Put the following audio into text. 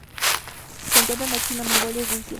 Se encuentra en la China Mongolia y Rusia